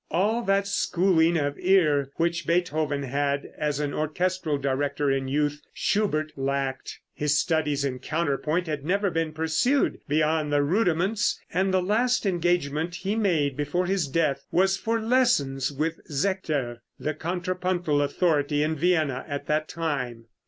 All that schooling of ear which Beethoven had, as an orchestral director in youth, Schubert lacked. His studies in counterpoint had never been pursued beyond the rudiments, and the last engagement he made before his death was for lessons with Sechter, the contrapuntal authority in Vienna at that time.